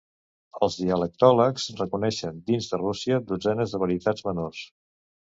Els dialectòlegs reconeixen dins de Rússia dotzenes de varietats menors.